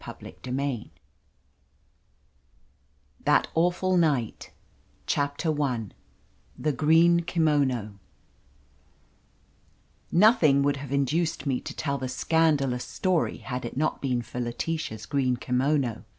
• r % THAT AWFUL NIGHT CHAPTER I THE GREEN KIMONO NOTHING would have induced me to tell the scandalous story had it not been for Letitia's green kimono.